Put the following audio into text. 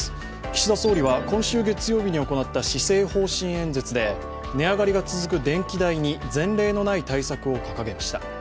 岸田総理は今週月曜日に行った施政方針演説で値上がりが続く電気代に前例のない対策を掲げました。